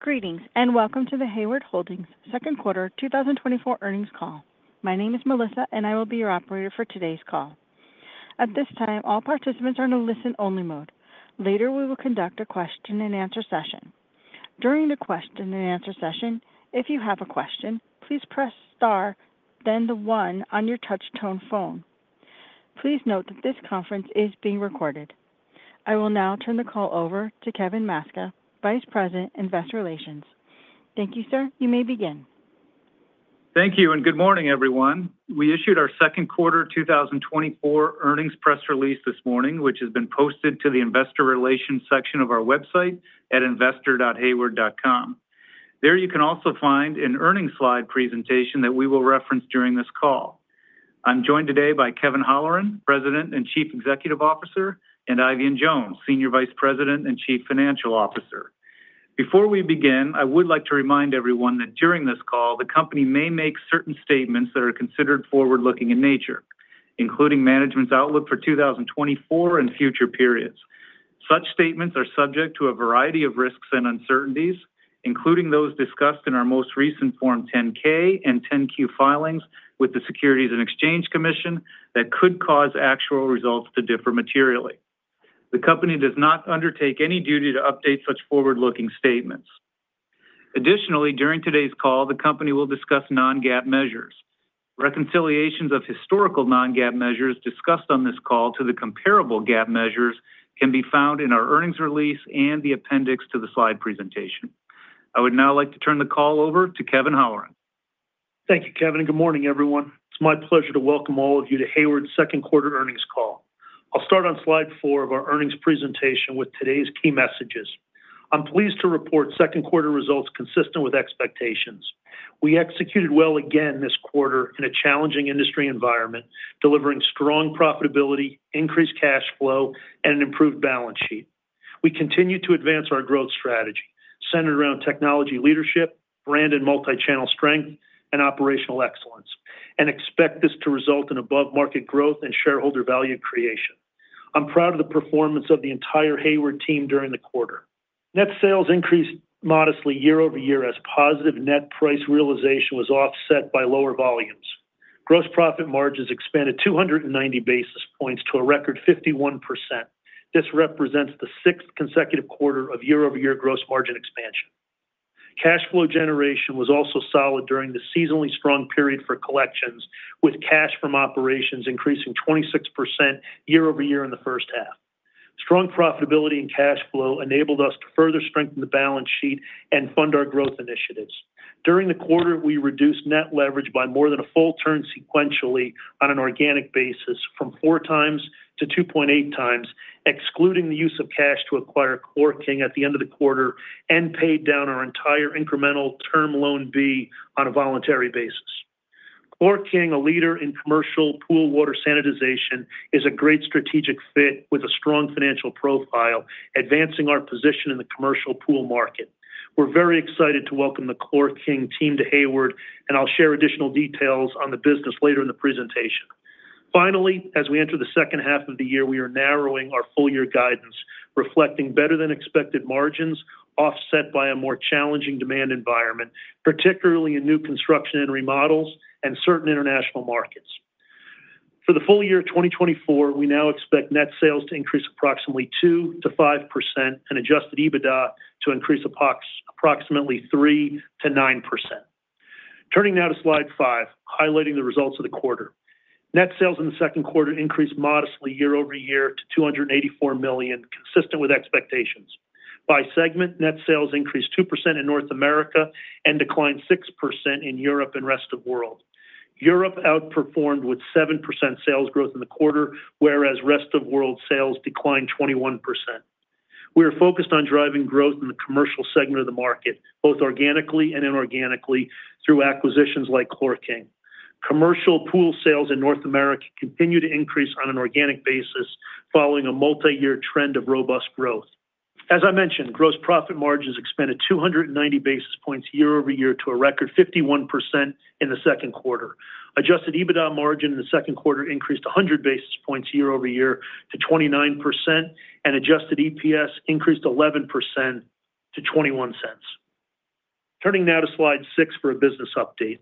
Greetings, and welcome to the Hayward Holdings Second Quarter 2024 Earnings Call. My name is Melissa, and I will be your operator for today's call. At this time, all participants are in a listen-only mode. Later, we will conduct a Q&A session. During the Q&A session, if you have a question, please press Star, then the one on your touch tone phone. Please note that this conference is being recorded. I will now turn the call over to Kevin Maczka, Vice President in Investor Relations. Thank you, sir. You may begin. Thank you, and good morning, everyone. We issued our Second Quarter 2024 Earnings Press Release this morning, which has been posted to the Investor Relations section of our website at investor.hayward.com. There you can also find an earnings slide presentation that we will reference during this call. I'm joined today by Kevin Holleran, President and Chief Executive Officer, and Eifion Jones, Senior Vice President and Chief Financial Officer. Before we begin, I would like to remind everyone that during this call, the company may make certain statements that are considered forward-looking in nature, including management's outlook for 2024 and future periods. Such statements are subject to a variety of risks and uncertainties, including those discussed in our most recent Form 10-K and 10-Q filings with the Securities and Exchange Commission, that could cause actual results to differ materially. The company does not undertake any duty to update such forward-looking statements. Additionally, during today's call, the company will discuss Non-GAAP measures. Reconciliations of historical Non-GAAP measures discussed on this call to the comparable GAAP measures can be found in our earnings release and the appendix to the slide presentation. I would now like to turn the call over to Kevin Holleran. Thank you, Kevin, and good morning, everyone. It's my pleasure to welcome all of you to Hayward's Second Quarter Earnings Call. I'll start on slide 4 of our earnings presentation with today's key messages. I'm pleased to report second quarter results consistent with expectations. We executed well again this quarter in a challenging industry environment, delivering strong profitability, increased cash flow, and an improved balance sheet. We continue to advance our growth strategy, centered around technology leadership, brand and multi-channel strength, and operational excellence, and expect this to result in above-market growth and shareholder value creation. I'm proud of the performance of the entire Hayward team during the quarter. Net sales increased modestly year-over-year as positive net price realization was offset by lower volumes. Gross profit margins expanded 290 basis points to a record 51%. This represents the sixth consecutive quarter of year-over-year gross margin expansion. Cash flow generation was also solid during the seasonally strong period for collections, with cash from operations increasing 26% year-over-year in the first half. Strong profitability and cash flow enabled us to further strengthen the balance sheet and fund our growth initiatives. During the quarter, we reduced net leverage by more than a full turn sequentially on an organic basis, from 4x to 2.8x, excluding the use of cash to acquire ChlorKing at the end of the quarter and paid down our entire incremental Term Loan B on a voluntary basis. ChlorKing, a leader in commercial pool water sanitization, is a great strategic fit with a strong financial profile, advancing our position in the commercial pool market. We're very excited to welcome the ChlorKing team to Hayward, and I'll share additional details on the business later in the presentation. Finally, as we enter the second half of the year, we are narrowing our full year guidance, reflecting better-than-expected margins, offset by a more challenging demand environment, particularly in new construction and remodels and certain international markets. For the full year of 2024, we now expect net sales to increase approximately 2%-5% and adjusted EBITDA to increase approximately 3%-9%. Turning now to slide 5, highlighting the results of the quarter. Net sales in the second quarter increased modestly year-over-year to $284 million, consistent with expectations. By segment, net sales increased 2% in North America and declined 6% in Europe and Rest of World. Europe outperformed with 7% sales growth in the quarter, whereas rest of world sales declined 21%. We are focused on driving growth in the commercial segment of the market, both organically and inorganically, through acquisitions like ChlorKing. Commercial pool sales in North America continue to increase on an organic basis, following a multi-year trend of robust growth. As I mentioned, gross profit margins expanded 290 basis points year-over-year to a record 51% in the second quarter. Adjusted EBITDA margin in the second quarter increased 100 basis points year-over-year to 29%, and adjusted EPS increased 11% to $0.21. Turning now to slide 6 for a business update.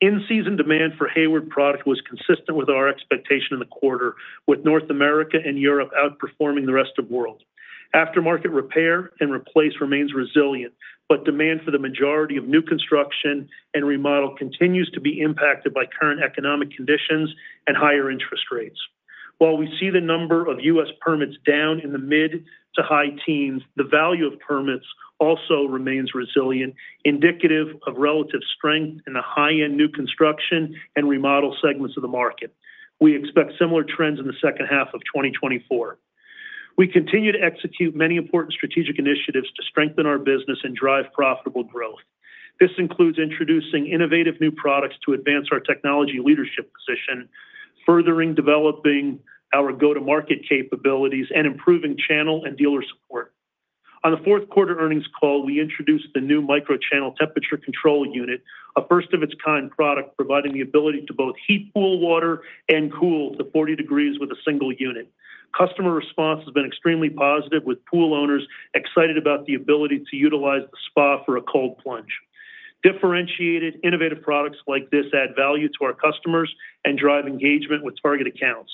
In-season demand for Hayward product was consistent with our expectation in the quarter, with North America and Europe outperforming the rest of world. Aftermarket repair and replace remains resilient, but demand for the majority of new construction and remodel continues to be impacted by current economic conditions and higher interest rates. While we see the number of US permits down in the mid- to high teens, the value of permits also remains resilient, indicative of relative strength in the high-end new construction and remodel segments of the market. We expect similar trends in the second half of 2024. We continue to execute many important strategic initiatives to strengthen our business and drive profitable growth. This includes introducing innovative new products to advance our technology leadership position, furthering developing our go-to-market capabilities, and improving channel and dealer support. On the fourth quarter earnings call, we introduced the new microchannel temperature control unit, a first-of-its-kind product, providing the ability to both heat pool water and cool to 40 degrees with a single unit. Customer response has been extremely positive, with pool owners excited about the ability to utilize the spa for a cold plunge. Differentiated, innovative products like this add value to our customers and drive engagement with target accounts.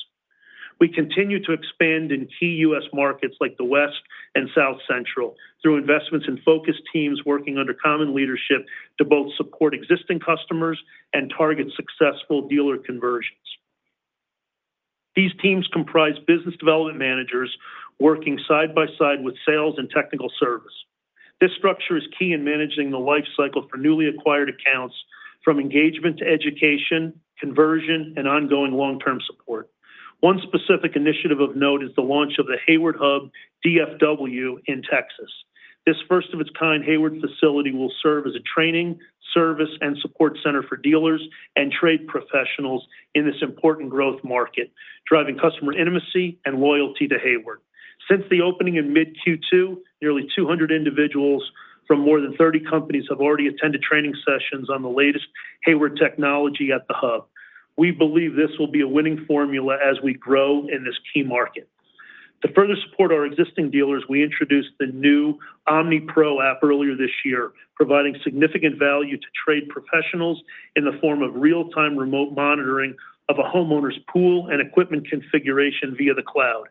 We continue to expand in key U.S. markets like the West and South Central, through investments in focus teams working under common leadership to both support existing customers and target successful dealer conversions. These teams comprise business development managers working side by side with sales and technical service. This structure is key in managing the life cycle for newly acquired accounts, from engagement to education, conversion, and ongoing long-term support. One specific initiative of note is the launch of the Hayward Hub DFW in Texas. This first-of-its-kind Hayward facility will serve as a training, service, and support center for dealers and trade professionals in this important growth market, driving customer intimacy and loyalty to Hayward. Since the opening in mid-Q2, nearly 200 individuals from more than 30 companies have already attended training sessions on the latest Hayward technology at the Hub. We believe this will be a winning formula as we grow in this key market. To further support our existing dealers, we introduced the new OmniPro app earlier this year, providing significant value to trade professionals in the form of real-time remote monitoring of a homeowner's pool and equipment configuration via the cloud.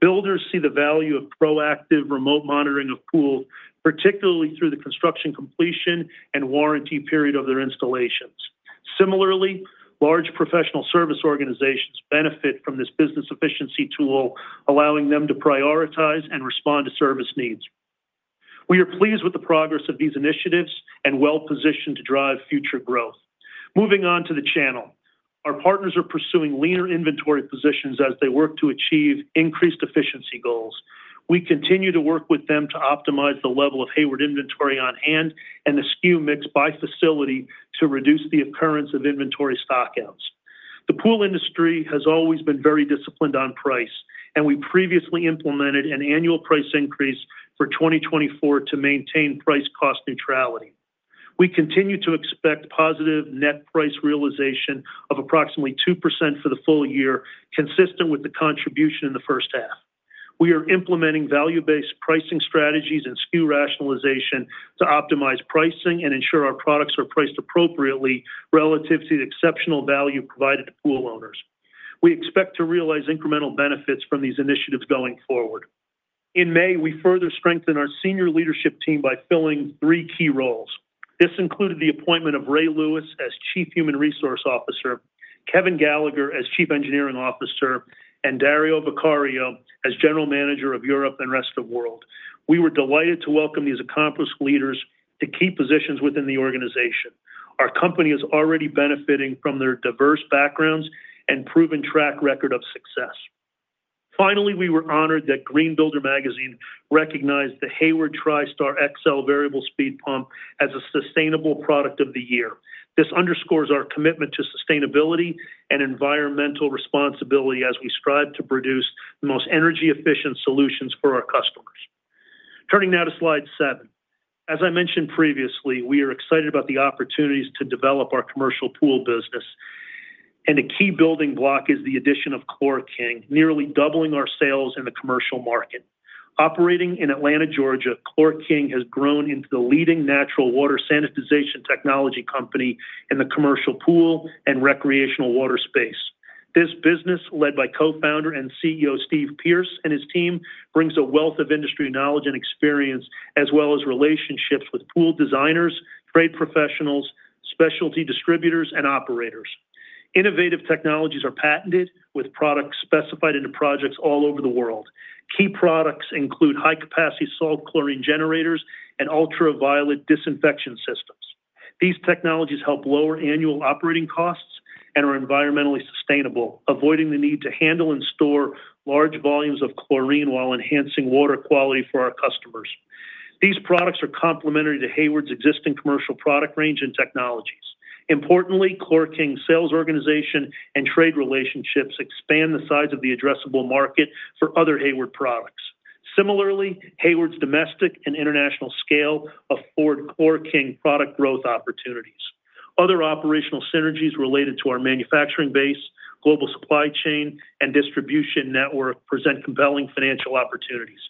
Builders see the value of proactive remote monitoring of pools, particularly through the construction completion and warranty period of their installations. Similarly, large professional service organizations benefit from this business efficiency tool, allowing them to prioritize and respond to service needs. We are pleased with the progress of these initiatives and well-positioned to drive future growth. Moving on to the channel. Our partners are pursuing leaner inventory positions as they work to achieve increased efficiency goals. We continue to work with them to optimize the level of Hayward inventory on hand and the SKU mix by facility to reduce the occurrence of inventory stockouts. The pool industry has always been very disciplined on price, and we previously implemented an annual price increase for 2024 to maintain price-cost neutrality. We continue to expect positive net price realization of approximately 2% for the full year, consistent with the contribution in the first half. We are implementing value-based pricing strategies and SKU rationalization to optimize pricing and ensure our products are priced appropriately relative to the exceptional value provided to pool owners. We expect to realize incremental benefits from these initiatives going forward. In May, we further strengthened our senior leadership team by filling three key roles. This included the appointment of Ray Lewis as Chief Human Resources Officer, Kevin Gallagher as Chief Engineering Officer, and Dario Vicario as General Manager of Europe and Rest of World. We were delighted to welcome these accomplished leaders to key positions within the organization. Our company is already benefiting from their diverse backgrounds and proven track record of success. Finally, we were honored that Green Builder Magazine recognized the Hayward TriStar XL Variable Speed Pump as a Sustainable Product of the Year. This underscores our commitment to sustainability and environmental responsibility as we strive to produce the most energy-efficient solutions for our customers. Turning now to Slide seven. As I mentioned previously, we are excited about the opportunities to develop our commercial pool business, and a key building block is the addition of ChlorKing, nearly doubling our sales in the commercial market. Operating in Atlanta, Georgia, ChlorKing has grown into the leading natural water sanitization technology company in the commercial pool and recreational water space. This business, led by co-founder and CEO Steve Pearce and his team, brings a wealth of industry knowledge and experience, as well as relationships with pool designers, trade professionals, specialty distributors, and operators. Innovative technologies are patented, with products specified into projects all over the world. Key products include high-capacity salt chlorine generators and ultraviolet disinfection systems. These technologies help lower annual operating costs and are environmentally sustainable, avoiding the need to handle and store large volumes of chlorine while enhancing water quality for our customers. These products are complementary to Hayward's existing commercial product range and technologies. Importantly, ChlorKing's sales organization and trade relationships expand the size of the addressable market for other Hayward products. Similarly, Hayward's domestic and international scale afford ChlorKing product growth opportunities. Other operational synergies related to our manufacturing base, global supply chain, and distribution network present compelling financial opportunities.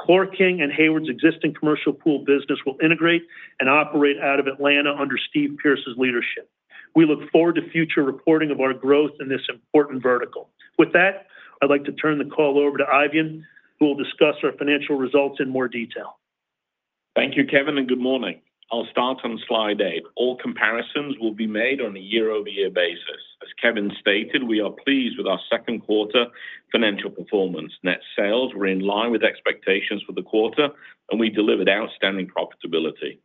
ChlorKing and Hayward's existing commercial pool business will integrate and operate out of Atlanta under Steve Pearce's leadership. We look forward to future reporting of our growth in this important vertical. With that, I'd like to turn the call over to Eifion, who will discuss our financial results in more detail. Thank you, Kevin, and good morning. I'll start on Slide 8. All comparisons will be made on a year-over-year basis. As Kevin stated, we are pleased with our second quarter financial performance. Net sales were in line with expectations for the quarter, and we delivered outstanding profitability.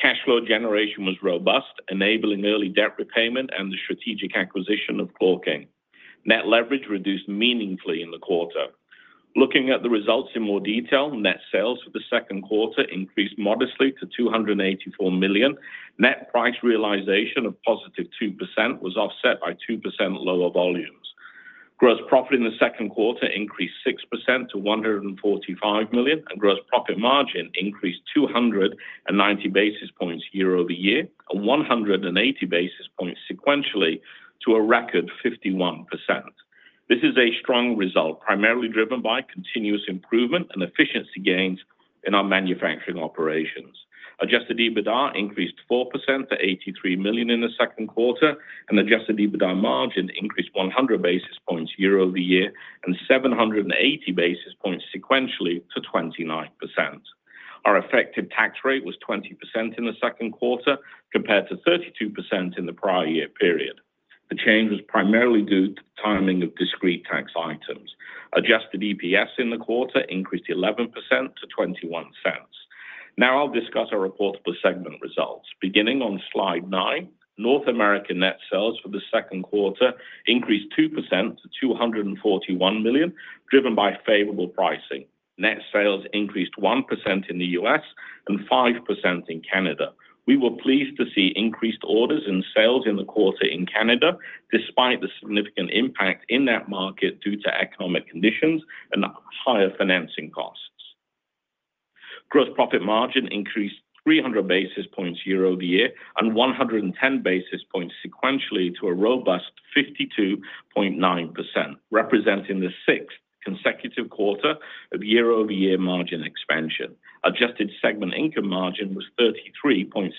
Cash flow generation was robust, enabling early debt repayment and the strategic acquisition of ChlorKing. Net leverage reduced meaningfully in the quarter. Looking at the results in more detail, net sales for the second quarter increased modestly to $284 million. Net price realization of +2% was offset by 2% lower volumes. Gross profit in the second quarter increased 6% to $145 million, and gross profit margin increased 290 basis points year-over-year, and 180 basis points sequentially to a record 51%. This is a strong result, primarily driven by continuous improvement and efficiency gains in our manufacturing operations. Adjusted EBITDA increased 4% to $83 million in the second quarter, and adjusted EBITDA margin increased 100 basis points year-over-year and 780 basis points sequentially to 29%. Our effective tax rate was 20% in the second quarter, compared to 32% in the prior year period. The change was primarily due to the timing of discrete tax items. Adjusted EPS in the quarter increased 11% to $0.21. Now I'll discuss our reportable segment results. Beginning on slide nine, North American net sales for the second quarter increased 2% to $241 million, driven by favorable pricing. Net sales increased 1% in the US and 5% in Canada. We were pleased to see increased orders in sales in the quarter in Canada, despite the significant impact in that market due to economic conditions and higher financing costs. Gross profit margin increased 300 basis points year-over-year and 110 basis points sequentially to a robust 52.9%, representing the sixth consecutive quarter of year-over-year margin expansion. Adjusted segment income margin was 33.7%.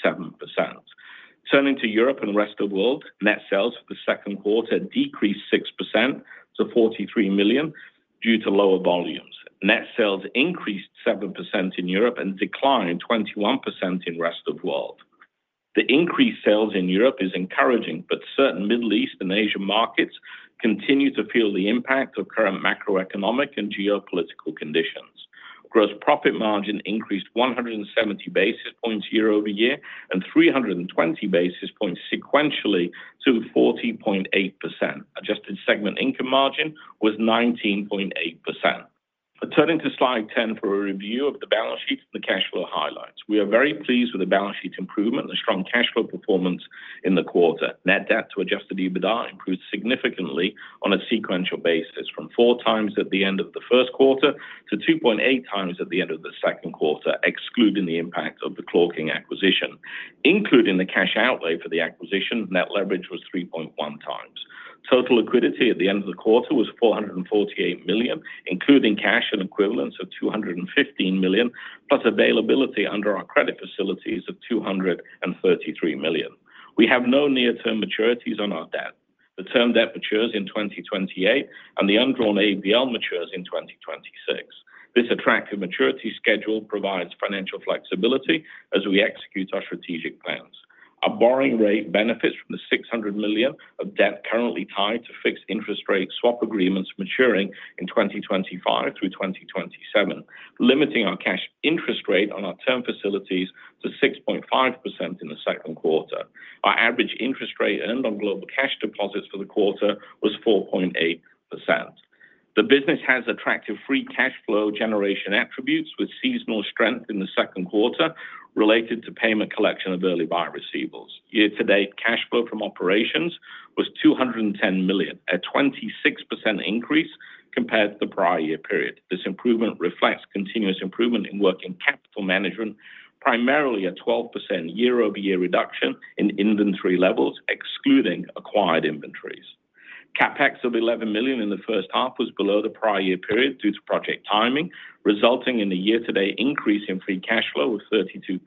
Turning to Europe and Rest of World, net sales for the second quarter decreased 6% to $43 million due to lower volumes. Net sales increased 7% in Europe and declined 21% in Rest of World. The increased sales in Europe is encouraging, but certain Middle East and Asian markets continue to feel the impact of current macroeconomic and geopolitical conditions. Gross profit margin increased 170 basis points year-over-year and 320 basis points sequentially to 40.8%. Adjusted segment income margin was 19.8%. Turning to slide 10 for a review of the balance sheet and the cash flow highlights. We are very pleased with the balance sheet improvement and the strong cash flow performance in the quarter. Net debt to adjusted EBITDA improved significantly on a sequential basis from 4x at the end of the first quarter to 2.8x at the end of the second quarter, excluding the impact of the ChlorKing acquisition. Including the cash outlay for the acquisition, net leverage was 3.1x. Total liquidity at the end of the quarter was $448 million, including cash and equivalents of $215 million, plus availability under our credit facilities of $233 million. We have no near-term maturities on our debt. The term debt matures in 2028, and the undrawn ABL matures in 2026. This attractive maturity schedule provides financial flexibility as we execute our strategic plans. Our borrowing rate benefits from the $600 million of debt currently tied to fixed interest rate swap agreements maturing in 2025 through 2027, limiting our cash interest rate on our term facilities to 6.5% in the second quarter. Our average interest rate earned on global cash deposits for the quarter was 4.8%. The business has attractive free cash flow generation attributes, with seasonal strength in the second quarter related to payment collection of early buyer receivables. Year-to-date, cash flow from operations was $210 million, a 26% increase compared to the prior year period. This improvement reflects continuous improvement in working capital management, primarily a 12% year-over-year reduction in inventory levels, excluding acquired inventories. CapEx of $11 million in the first half was below the prior year period due to project timing, resulting in a year-to-date increase in free cash flow of 32%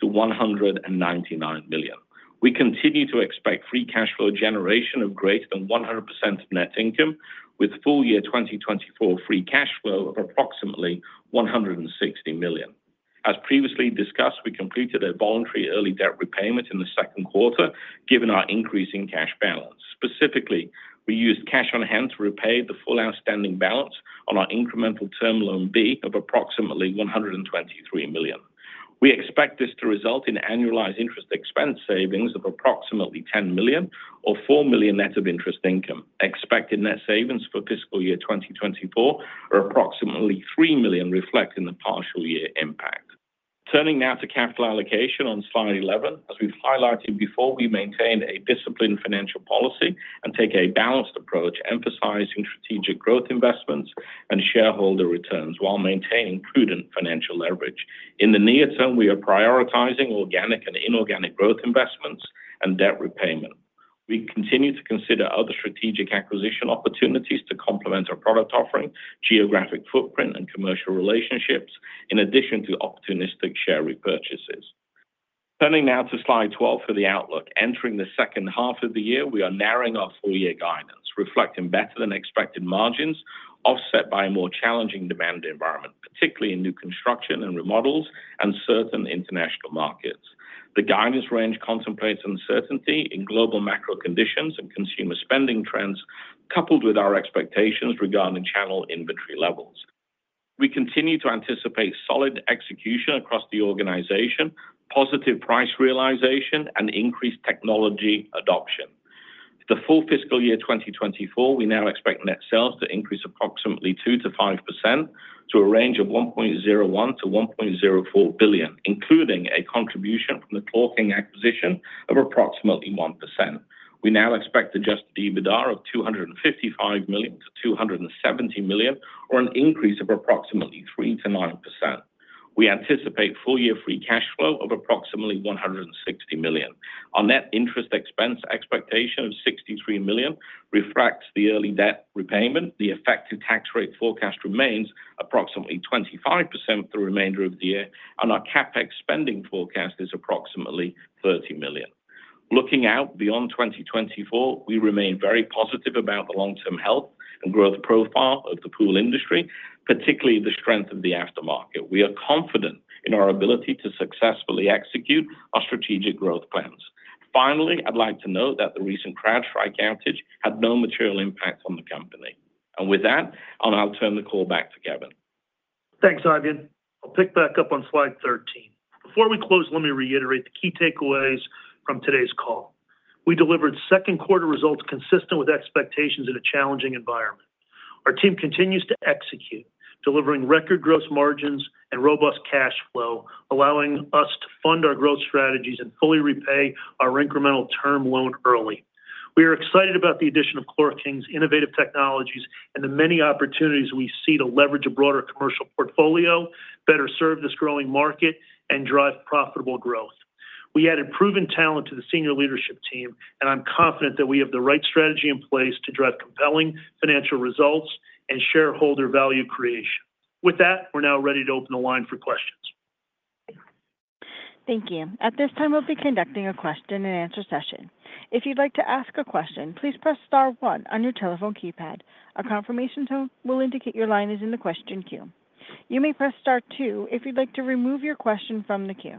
to $199 million. We continue to expect free cash flow generation of greater than 100% net income, with full year 2024 free cash flow of approximately $160 million. As previously discussed, we completed a voluntary early debt repayment in the second quarter, given our increase in cash balance. Specifically, we used cash on hand to repay the full outstanding balance on our incremental Term Loan B of approximately $123 million. We expect this to result in annualized interest expense savings of approximately $10 million or $4 million net of interest income. Expected net savings for fiscal year 2024 are approximately $3 million, reflecting the partial year impact. Turning now to capital allocation on slide 11. As we've highlighted before, we maintain a disciplined financial policy and take a balanced approach, emphasizing strategic growth investments and shareholder returns while maintaining prudent financial leverage. In the near term, we are prioritizing organic and inorganic growth investments and debt repayment. We continue to consider other strategic acquisition opportunities to complement our product offering, geographic footprint, and commercial relationships, in addition to opportunistic share repurchases. Turning now to slide 12 for the outlook. Entering the second half of the year, we are narrowing our full year guidance, reflecting better-than-expected margins, offset by a more challenging demand environment, particularly in new construction and remodels and certain international markets. The guidance range contemplates uncertainty in global macro conditions and consumer spending trends, coupled with our expectations regarding channel inventory levels. We continue to anticipate solid execution across the organization, positive price realization, and increased technology adoption. For the full fiscal year 2024, we now expect net sales to increase approximately 2%-5% to a range of $1.01 billion-$1.04 billion, including a contribution from the ChlorKing acquisition of approximately 1%. We now expect Adjusted EBITDA of $255 million-$270 million or an increase of approximately 3%-9%. We anticipate full-year free cash flow of approximately $160 million. Our net interest expense expectation of $63 million reflects the early debt repayment. The effective tax rate forecast remains approximately 25% for the remainder of the year, and our CapEx spending forecast is approximately $30 million. Looking out beyond 2024, we remain very positive about the long-term health and growth profile of the pool industry, particularly the strength of the aftermarket. We are confident in our ability to successfully execute our strategic growth plans. Finally, I'd like to note that the recent CrowdStrike outage had no material impact on the company. And with that, I'll now turn the call back to Kevin. Thanks, Eifion. I'll pick back up on slide 13. Before we close, let me reiterate the key takeaways from today's call. We delivered second quarter results consistent with expectations in a challenging environment. Our team continues to execute, delivering record gross margins and robust cash flow, allowing us to fund our growth strategies and fully repay our incremental term loan early. We are excited about the addition of ChlorKing's innovative technologies and the many opportunities we see to leverage a broader commercial portfolio, better serve this growing market, and drive profitable growth. We added proven talent to the senior leadership team, and I'm confident that we have the right strategy in place to drive compelling financial results and shareholder value creation. With that, we're now ready to open the line for questions. Thank you. At this time, we'll be conducting a Q&A session. If you'd like to ask a question, please press star one on your telephone keypad. A confirmation tone will indicate your line is in the question queue. You may press star two if you'd like to remove your question from the queue.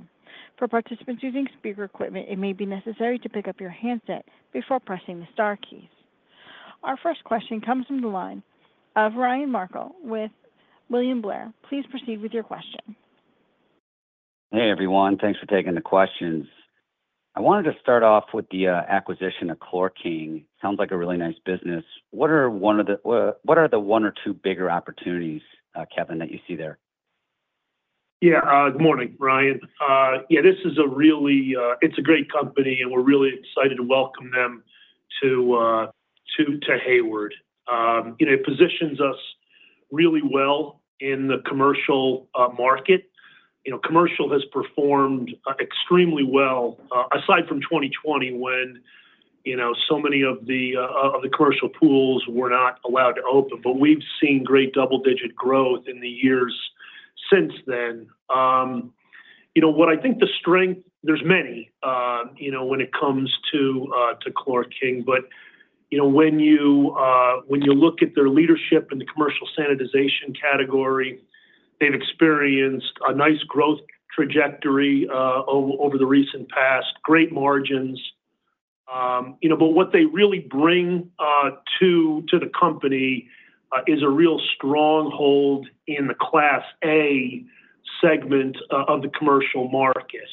For participants using speaker equipment, it may be necessary to pick up your handset before pressing the star keys. Our first question comes from the line of Ryan Merkel with William Blair. Please proceed with your question. Hey, everyone. Thanks for taking the questions. I wanted to start off with the acquisition of ChlorKing. Sounds like a really nice business. What are, what are the one or two bigger opportunities, Kevin, that you see there? Yeah, good morning, Ryan. Yeah, this is a really, it's a great company, and we're really excited to welcome them to to Hayward. It positions us really well in the commercial market. You know, commercial has performed extremely well, aside from 2020, when, you know, so many of the commercial pools were not allowed to open. But we've seen great double-digit growth in the years since then. You know, what I think the strength. There's many, you know, when it comes to ChlorKing, but, you know, when you, when you look at their leadership in the commercial sanitization category, they've experienced a nice growth trajectory, over the recent past, great margins. You know, but what they really bring to to the company is a real stronghold in the Class A segment of the commercial market.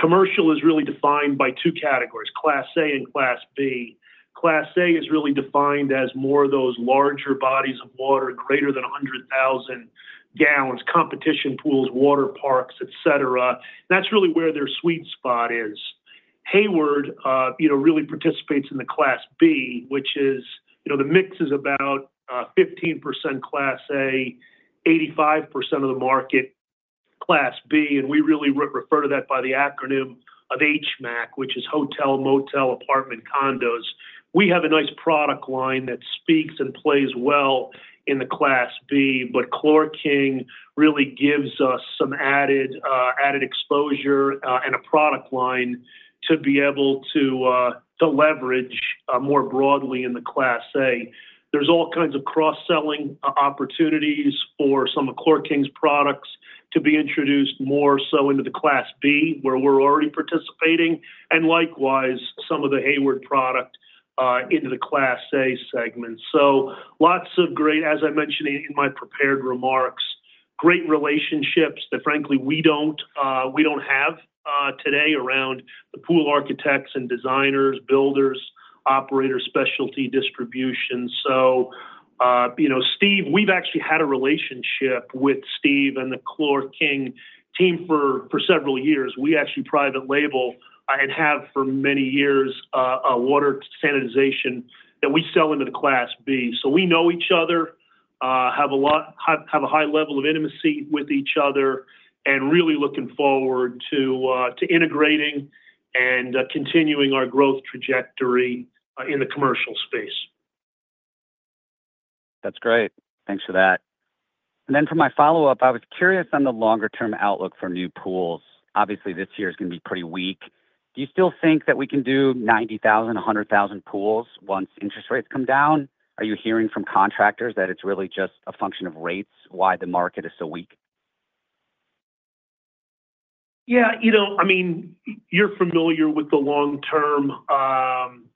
Commercial is really defined by two categories, Class A and Class B. Class A is really defined as more of those larger bodies of water, greater than 100,000 gallons, competition pools, water parks, et cetera. That's really where their sweet spot is. Hayward, you know, really participates in the Class B, which is, you know, the mix is about 15% Class A, 85% of the market, Class B, and we really refer to that by the acronym of HMAC, which is Hotel, Motel, Apartment, Condos. We have a nice product line that speaks and plays well in the Class B, but ChlorKing really gives us some added, added exposure, and a product line to be able to, to leverage more broadly in the Class A. There's all kinds of cross-selling opportunities for some of ChlorKing's products to be introduced more so into the Class B, where we're already participating, and likewise, some of the Hayward product into the Class A segment. So lots of great, as I mentioned in my prepared remarks, great relationships that frankly, we don't, we don't have today around the pool architects and designers, builders, operators, specialty distribution. So, you know, Steve, we've actually had a relationship with Steve and the ChlorKing team for, for several years. We actually private label and have for many years a water sanitization that we sell into the Class B. So we know each other, have a high level of intimacy with each other, and really looking forward to integrating and continuing our growth trajectory in the commercial space. That's great. Thanks for that. And then for my follow-up, I was curious on the longer-term outlook for new pools. Obviously, this year is gonna be pretty weak. Do you still think that we can do 90,000, 100,000 pools once interest rates come down? Are you hearing from contractors that it's really just a function of rates, why the market is so weak? Yeah, you know, I mean, you're familiar with the long-term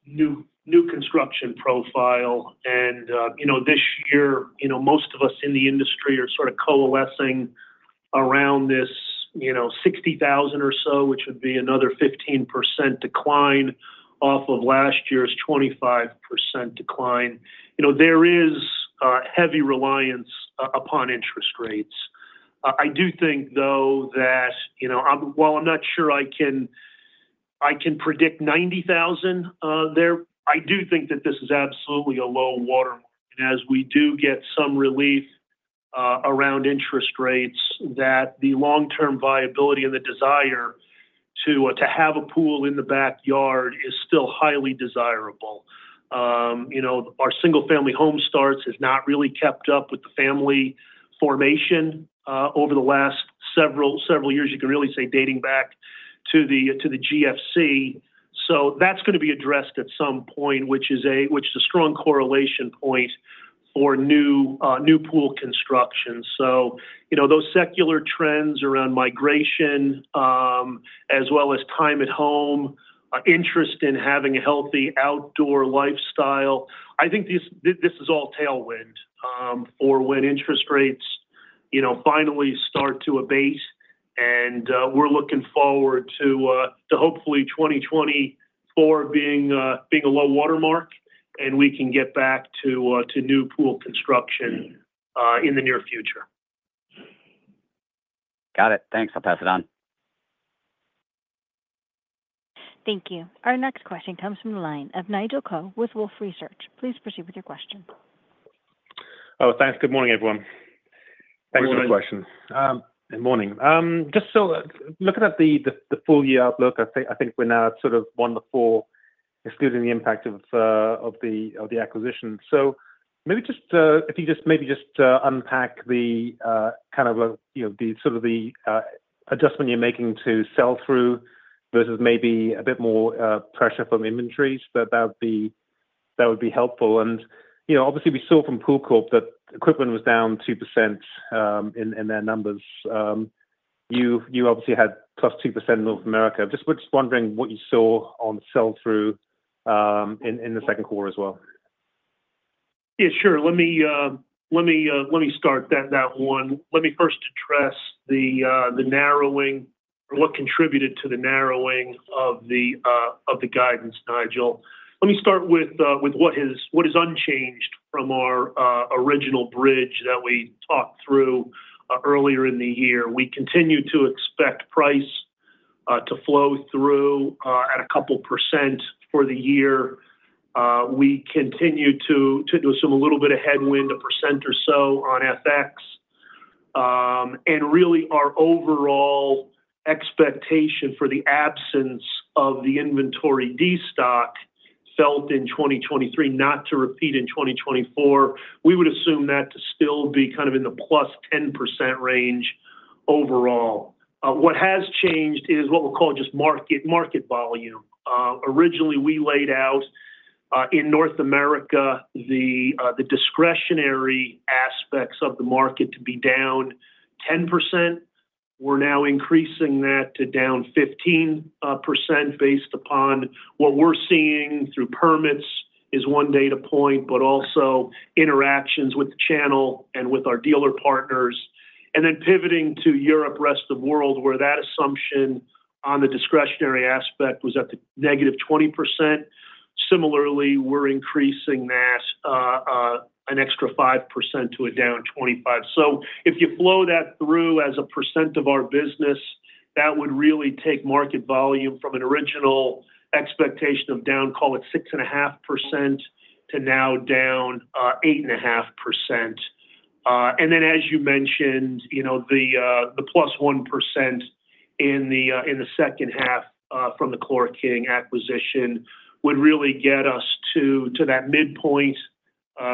new construction profile, and you know, this year, you know, most of us in the industry are sort of coalescing around this, you know, 60,000 or so, which would be another 15% decline off of last year's 25% decline. You know, there is heavy reliance upon interest rates. I do think, though. You know, I'm well, I'm not sure I can, I can predict 90,000 there. I do think that this is absolutely a low watermark, and as we do get some relief around interest rates, that the long-term viability and the desire to have a pool in the backyard is still highly desirable. You know, our single-family home starts has not really kept up with the family formation over the last several several years. You can really say dating back to the GFC. So that's gonna be addressed at some point, which is a, which is a strong correlation point for new pool construction. So, you know, those secular trends around migration, as well as time at home, interest in having a healthy outdoor lifestyle, I think these—this is all tailwind for when interest rates, you know, finally start to abate. And we're looking forward to to hopefully 2024 being a low watermark, and we can get back tto o new pool construction in the near future. Got it. Thanks. I'll pass it on. Thank you. Our next question comes from the line of Nigel Coe with Wolfe Research. Please proceed with your question. Oh, thanks. Good morning, everyone. Good morning. Thanks for the question. Good morning. Just looking at the full year outlook, I think we're now sort of 1%-4%, excluding the impact of, of the, of the acquisition. So maybe just if you just unpack the kind of, you know, the sort of the adjustment you're making to sell-through versus maybe a bit more pressure from inventories. That would be helpful. And, you know, obviously, we saw from Pool Corp that equipment was down 2% in their numbers. You you obviously had +2% in North America. We're just wondering what you saw on sell-through in in the second quarter as well. Yeah, sure. Let me, let me start that one. Let me first address the narrowing or what contributed to the narrowing of the, of the guidance, Nigel. Let me start with what is unchanged from our original bridge that we talked through earlier in the year. We continue to expect price to flow through at 2% for the year. We continue to assume a little bit of headwind, 1% or so on FX. And really, our overall expectation for the absence of the inventory destock felt in 2023, not to repeat in 2024, we would assume that to still be kind of in the +10% range overall. What has changed is what we'll call just market market volume. Originally, we laid out in North America the the discretionary aspects of the market to be down 10%. We're now increasing that to down 15%, based upon what we're seeing through permits is one data point, but also interactions with the channel and with our dealer partners. And then pivoting to Europe, Rest of World, where that assumption on the discretionary aspect was at the -20%. Similarly, we're increasing that an extra 5% to a down 25%. So if you flow that through as a percent of our business, that would really take market volume from an original expectation of down, call it 6.5%, to now down 8.5%. And then as you mentioned, you know, the +1% in the, in the second half from the ChlorKing acquisition would really get us to, to that midpoint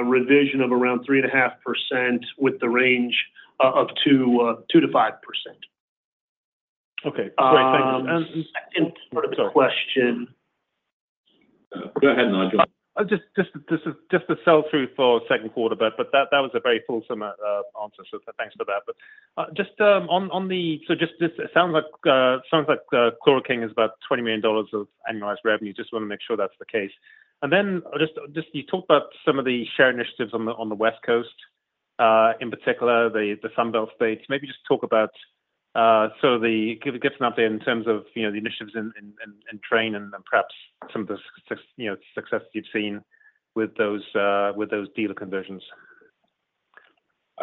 revision of around 3.5%, with the range of 2%-5%. Okay, great. Thank you. And second part of the question- Go ahead, Nigel. Just just, just the sell-through for second quarter, but that was a very fulsome answer. So thanks for that. But just on the, so just this sounds like ChlorKing is about $20 million of annualized revenue. Just want to make sure that's the case. And then just you talked about some of the share initiatives on the West Coast, in particular, the Sunbelt states. Maybe just talk about, so give an update in terms of, you know, the initiatives in train and then perhaps some of the success, you know, success you've seen with those, with those dealer conversions.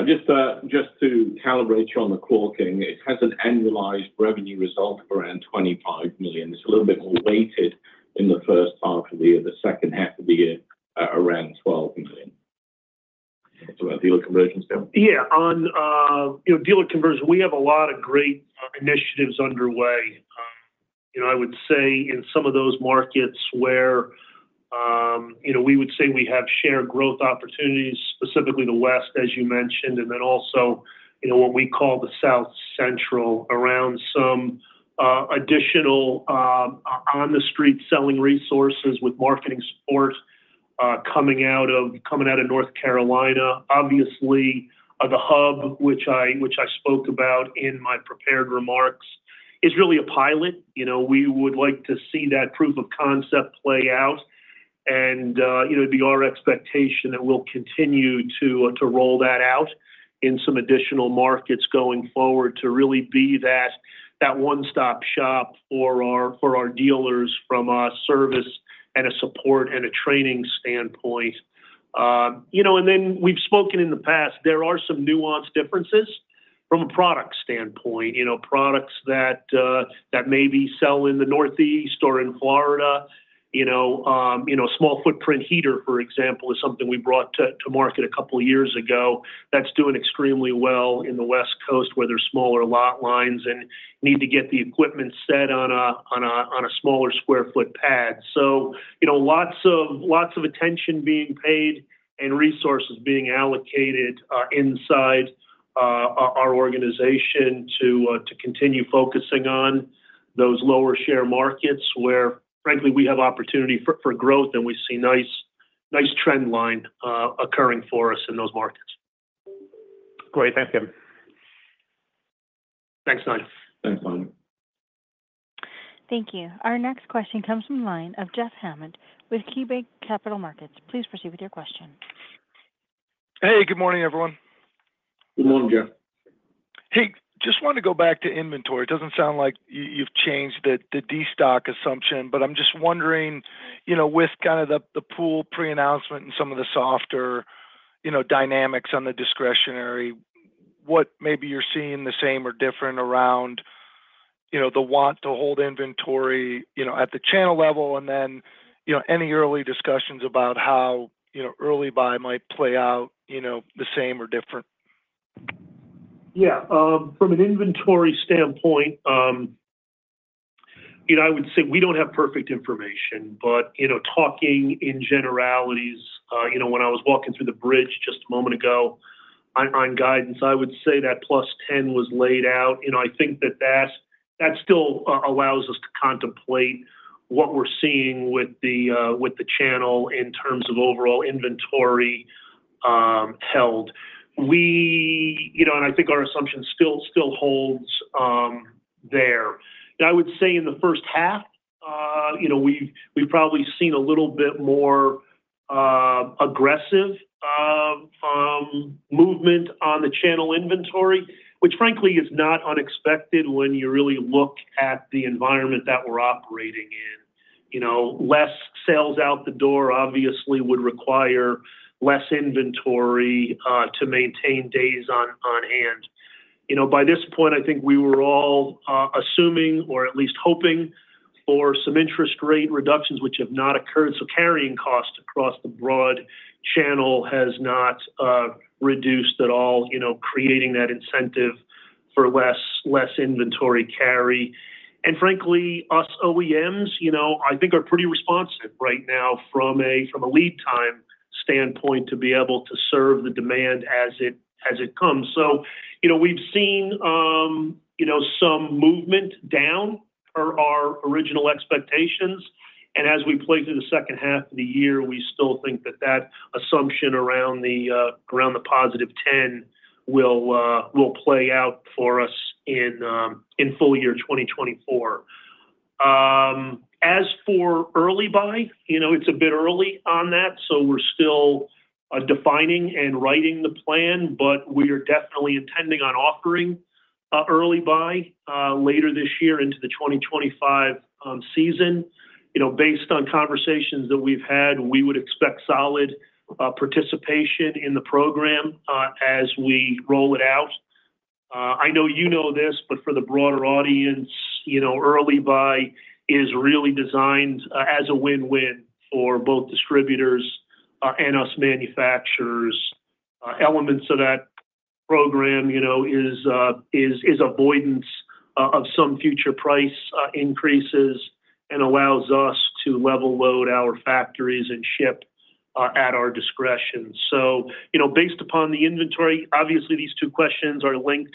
Just to calibrate you on the ChlorKing, it has an annualized revenue result of around $25 million. It's a little bit more weighted in the first half of the year, the second half of the year, around $12 million. About dealer conversions now? Yeah. On, you know, dealer conversion, we have a lot of great initiatives underway. You know, I would say in some of those markets where, you know, we would say we have shared growth opportunities, specifically the West, as you mentioned, and then also, you know, what we call the South Central, around some, additional, on the street selling resources with marketing support, coming out, coming out of North Carolina. Obviously, the hub which I spoke about in my prepared remarks, is really a pilot. You know, we would like to see that proof of concept play out. And you know, it'd be our expectation that we'll continue to roll that out in some additional markets going forward to really be that that one-stop shop for our dealers from a service and a support and a training standpoint. You know, and then we've spoken in the past, there are some nuanced differences from a product standpoint. You know, products that maybe sell in the Northeast or in Florida, you know, small footprint heater, for example, is something we brought to market a couple of years ago. That's doing extremely well in the West Coast, where there's smaller lot lines and need to get the equipment set on a, on a smaller square foot pad. So you know, lots of lots of attention being paid and resources being allocated inside our organization to continue focusing on those lower share markets, where, frankly, we have opportunity for growth, and we see nice, nice trend line occurring for us in those markets. Great. Thanks, Kevin. Thanks, Nigel. Thanks, Nigel. Thank you. Our next question comes from the line of Jeff Hammond with KeyBanc Capital Markets. Please proceed with your question. Hey, good morning, everyone. Good morning, Jeff. Hey, just wanted to go back to inventory. It doesn't sound like you've changed the destock assumption, but I'm just wondering, you know, with kind of the pool pre-announcement and some of the softer, you know, dynamics on the discretionary, what maybe you're seeing the same or different around, you know, the want to hold inventory, you know, at the channel level, and then, you know, any early discussions about how, you know, early buy might play out, you know, the same or different? Yeah. From an inventory standpoint, you know, I would say we don't have perfect information, but, you know, talking in generalities, you know, when I was walking through the bridge just a moment ago on, on guidance, I would say that +10 was laid out. You know, I think that that still allows us to contemplate what we're seeing with the, with the channel in terms of overall inventory held. We you know, and I think our assumption still holds there. I would say in the first half, you know, we've probably seen a little bit more aggressive movement on the channel inventory, which frankly, is not unexpected when you really look at the environment that we're operating in. You know, less sales out the door obviously would require less inventory to maintain days on on hand. You know, by this point, I think we were all assuming or at least hoping for some interest rate reductions, which have not occurred, so carrying costs across the broad channel has not reduced at all, you know, creating that incentive for less inventory carry. And frankly, us OEMs, you know, I think are pretty responsive right now from a, from a lead time standpoint to be able to serve the demand as it comes. So, you know, we've seen, you know, some movement down per our original expectations, and as we play through the second half of the year, we still think that that assumption around the positive 10 will play out for us in full year 2024. As for early buy, you know, it's a bit early on that, so we're still defining and writing the plan, but we are definitely intending on offering early buy later this year into the 2025 season. You know, based on conversations that we've had, we would expect solid participation in the program as we roll it out. I know you know this, but for the broader audience, you know, early buy is really designed as a win-win for both distributors and us manufacturers. Elements of that program, you know, is is avoidance of some future price increases and allows us to level load our factories and ship at our discretion. So, you know, based upon the inventory, obviously, these two questions are linked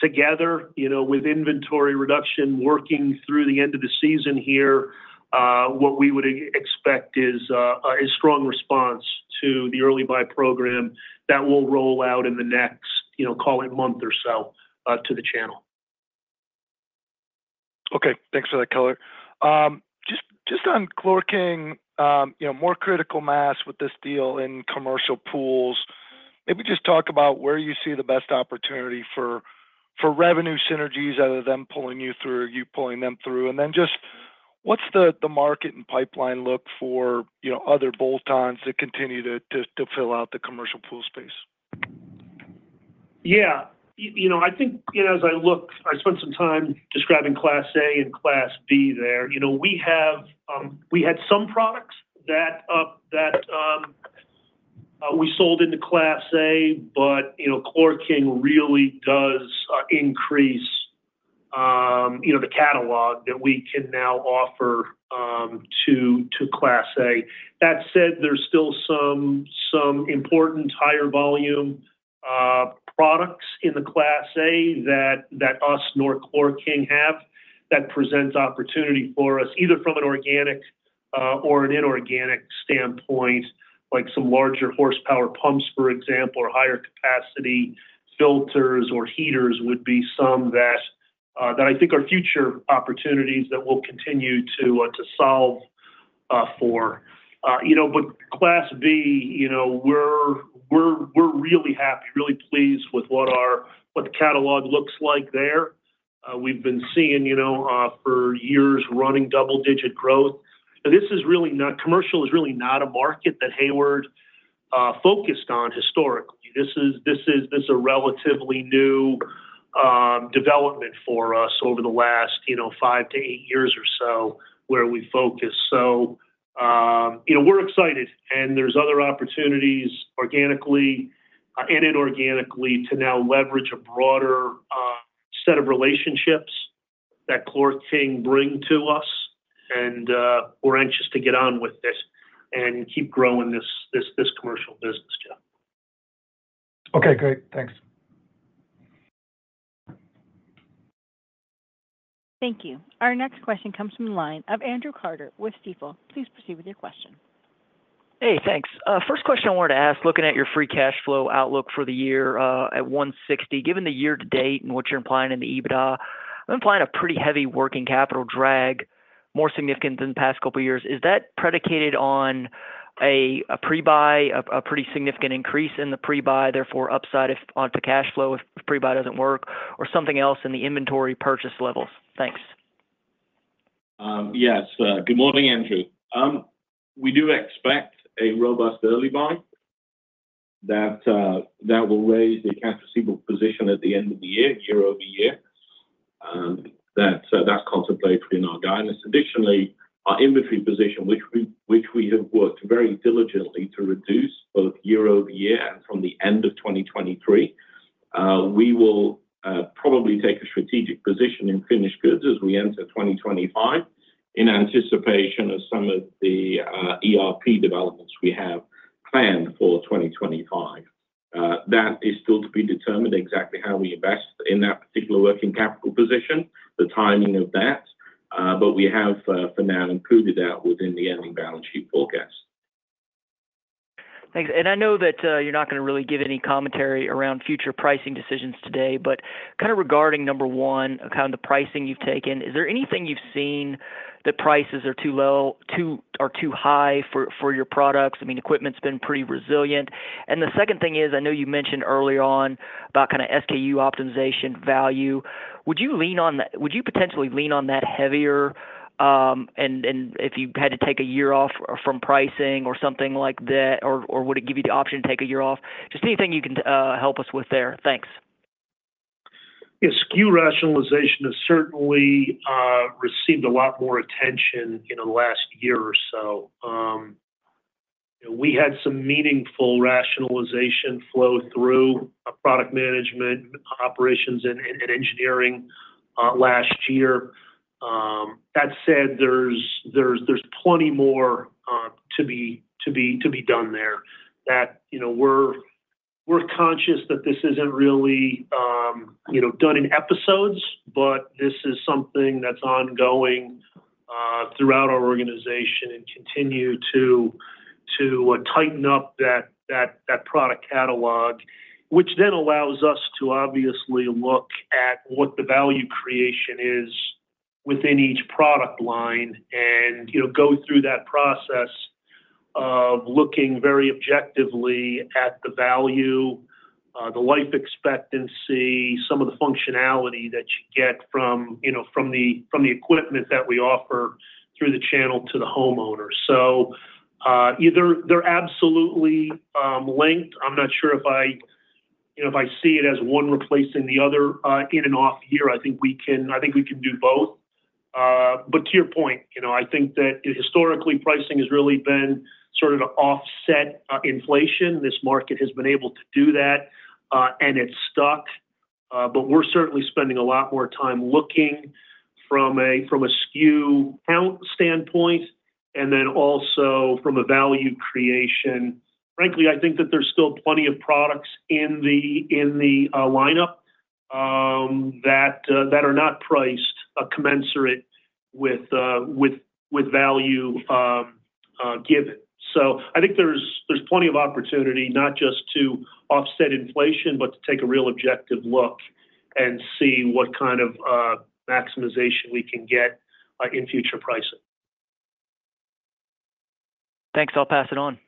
together, you know, with inventory reduction working through the end of the season here, what we would expect is a strong response to the early buy program that will roll out in the next, you know, call it a month or so, to the channel. Okay, thanks for that color. Just on ChlorKing, you know, more critical mass with this deal in commercial pools, maybe just talk about where you see the best opportunity for for revenue synergies, other than pulling you through or you pulling them through. And then just what's the market and pipeline look for, you know, other bolt-ons that continue to fill out the commercial pool space? Yeah. You know, I think, you know, as I look, I spent some time describing Class A and Class B there. You know, we have, we had some products that we sold into Class A, but, you know, ChlorKing really does increase, you know, the catalog that we can now offer to to Class A. That said, there's still some some important higher volume products in the Class A that that us nor ChlorKing have, that presents opportunity for us, either from an organic or an inorganic standpoint, like some larger horsepower pumps, for example, or higher capacity filters or heaters would be some that I think are future opportunities that we'll continue to solve for. You know, but Class B, you know, we're, Really happy, really pleased with what our, what the catalog looks like there. We've been seeing, you know, for years, running double-digit growth. But this is really not—commercial is really not a market that Hayward focused on historically. This is, this is, this a relatively new development for us over the last, you know, five to eight years or so where we focus. So, you know, we're excited, and there's other opportunities, organically and inorganically, to now leverage a broader set of relationships that ChlorKing brings to us, and we're anxious to get on with this and keep growing this, this, this commercial business, Jeff. Okay, great. Thanks. Thank you. Our next question comes from the line of Andrew Carter with Stifel. Please proceed with your question. Hey, thanks. First question I wanted to ask, looking at your free cash flow outlook for the year, at $160, given the year to date and what you're implying in the EBITDA, I'm implying a pretty heavy working capital drag, more significant than the past couple of years. Is that predicated on a pre-buy, a pretty significant increase in the pre-buy, therefore, upside if onto cash flow, if pre-buy doesn't work, or something else in the inventory purchase levels? Thanks. Yes. Good morning, Andrew. We do expect a robust early buy that that will raise the accounts receivable position at the end of the year, year-over-year. So that's contemplated in our guidance. Additionally, our inventory position, which we, which we have worked very diligently to reduce both year-over-year and from the end of 2023, we will probably take a strategic position in finished goods as we enter 2025, in anticipation of some of the ERP developments we have planned for 2025. That is still to be determined exactly how we invest in that particular working capital position, the timing of that, but we have, for now, included that within the ending balance sheet forecast. Thanks. And I know that, you're not gonna really give any commentary around future pricing decisions today, but kinda regarding, number one, kind of the pricing you've taken, is there anything you've seen that prices are too low, too, or too high for, for your products? I mean, equipment's been pretty resilient. And the second thing is, I know you mentioned earlier on about kinda SKU optimization value. Would you lean on that, would you potentially lean on that heavier, and, and if you had to take a year off from pricing or something like that, or, or would it give you the option to take a year off? Just anything you can, help us with there. Thanks. Yeah, SKU rationalization has certainly received a lot more attention in the last year or so. We had some meaningful rationalization flow through product management, operations, and engineering last year. That said, there's there's plenty more to be, to be done there, that you know, we're conscious that this isn't really you know, done in episodes, but this is something that's ongoing throughout our organization and continue to to tighten up that that product catalog, which then allows us to obviously look at what the value creation is within each product line, and you know, go through that process of looking very objectively at the value, the life expectancy, some of the functionality that you get from you know, from the, from the equipment that we offer through the channel to the homeowner. So, either they're absolutely linked. I'm not sure if I, you know, if I see it as one replacing the other, in and off here, I think we can, I think we can do both. But to your point, you know, I think that historically, pricing has really been sort of to offset inflation. This market has been able to do that, and it's stuck, but we're certainly spending a lot more time looking from a, from a SKU count standpoint, and then also from a value creation. Frankly, I think that there's still plenty of products in the, in the lineup that are not priced commensurate with with value given. So I think there's there's plenty of opportunity not just to offset inflation, but to take a real objective look and see what kind of maximization we can get in future pricing. Thanks. I'll pass it on.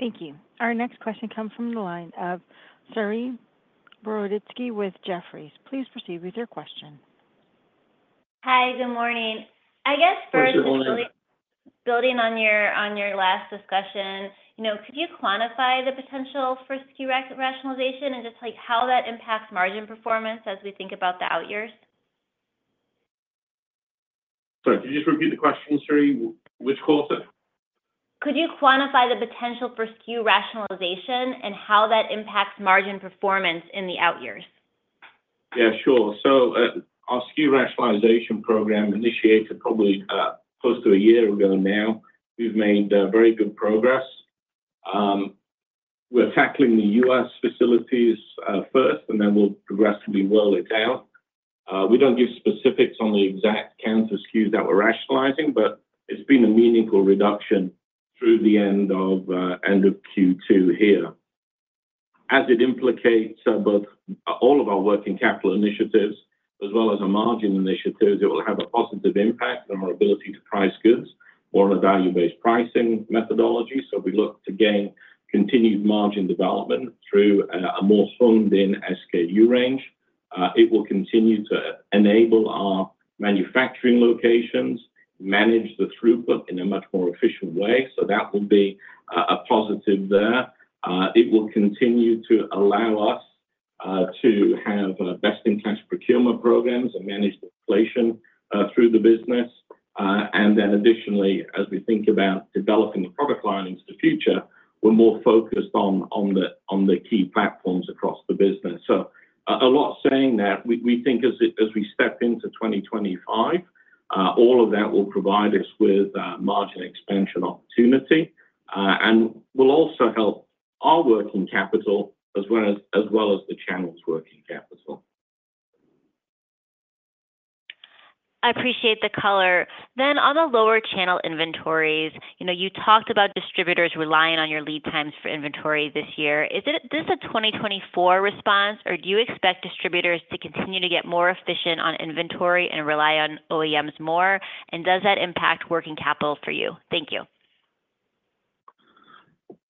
Thank you. Our next question comes from the line of Saree Boroditsky with Jefferies. Please proceed with your question. Hi, good morning. Good morning. I guess first, building on your last discussion, you know, could you quantify the potential for SKU rationalization and just, like, how that impacts margin performance as we think about the out years? Sorry, could you just repeat the question, Saree? Which call is it? Could you quantify the potential for SKU rationalization and how that impacts margin performance in the outyears? Yeah, sure. So, our SKU rationalization program initiated probably, close to a year ago now. We've made, very good progress. We're tackling the U.S. facilities, first, and then we'll progressively roll it out. We don't give specifics on the exact count of SKUs that we're rationalizing, but it's been a meaningful reduction through the end of, end of Q2 here. As it implicates, both all of our working capital initiatives as well as our margin initiatives, it will have a positive impact on our ability to price goods or a value-based pricing methodology. So we look to gain continued margin development through, a more honed-in SKU range. It will continue to enable our manufacturing locations, manage the throughput in a much more efficient way, so that will be a, a positive there. It will continue to allow us to have best-in-class procurement programs and manage the inflation through the business. And then additionally, as we think about developing the product line into the future, we're more focused on on on the key platforms across the business. So, all that said, we think as we step into 2025, all of that will provide us with margin expansion opportunity and will also help our working capital as well, as well as the channel's working capital. I appreciate the color. Then on the lower channel inventories, you know, you talked about distributors relying on your lead times for inventory this year. Is it this a 2024 response, or do you expect distributors to continue to get more efficient on inventory and rely on OEMs more? And does that impact working capital for you? Thank you.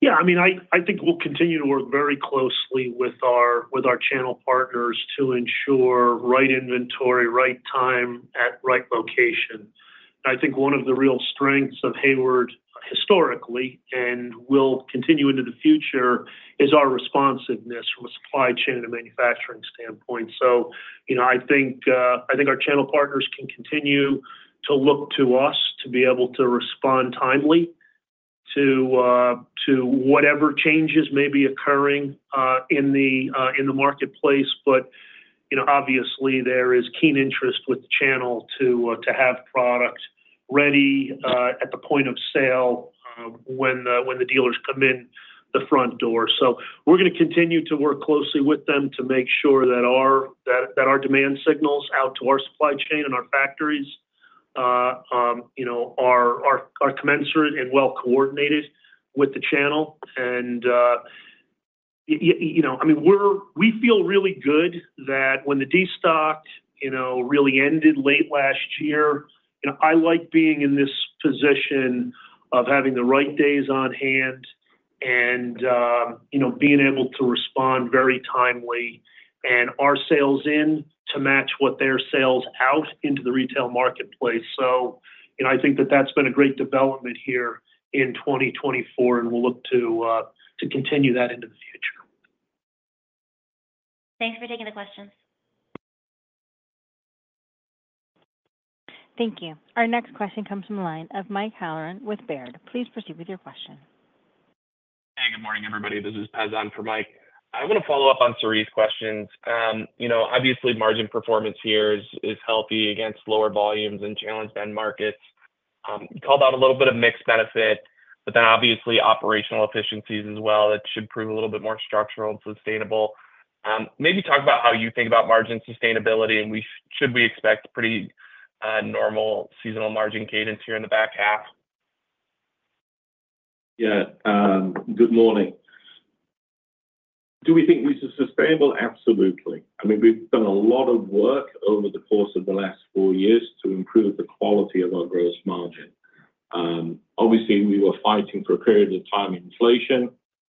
Yeah, I mean, I think we'll continue to work very closely with our, with our channel partners to ensure right inventory, right time, at right location. I think one of the real strengths of Hayward historically, and will continue into the future, is our responsiveness from a supply chain and manufacturing standpoint. So, you know, I think, I think our channel partners can continue to look to us to be able to respond timely to to whatever changes may be occurring in the, in the marketplace. But, you know, obviously, there is keen interest with the channel to have product ready at the point of sale when when the dealers come in the front door. So we're gonna continue to work closely with them to make sure that our, that our demand signals out to our supply chain and our factories, you know, are commensurate and well coordinated with the channel. And you know, I mean, we're we feel really good that when the destock, you know, really ended late last year. You know, I like being in this position of having the right days on hand and, you know, being able to respond very timely and our sales in to match what their sales out into the retail marketplace. So, you know, I think that that's been a great development here in 2024, and we'll look to to continue that into the future. Thanks for taking the questions. Thank you. Our next question comes from the line of Mike Halloran with Baird. Please proceed with your question. Hey, good morning, everybody. This is Paz on for Mike. I want to follow up on Saree's questions. You know, obviously, margin performance here is healthy against lower volumes and challenged end markets. You called out a little bit of mixed benefit, but then obviously operational efficiencies as well, that should prove a little bit more structural and sustainable. Maybe talk about how you think about margin sustainability, and should we expect pretty normal seasonal margin cadence here in the back half? Yeah, good morning. Do we think we are sustainable? Absolutely. I mean, we've done a lot of work over the course of the last four years to improve the quality of our gross margin. Obviously, we were fighting for a period of time, inflation.